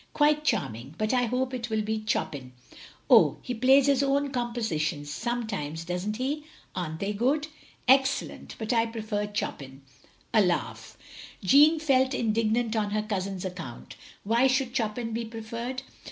" "Quite charming. But I hope it will be Chopin. "" Oh! he plays his own compositions, sometimes, does n't he? Are n't they good? "" Excellent ! But I prefer Chopin. " A laugh. Jeanne felt indignant on her cousin's account. Why should Chopin be preferred?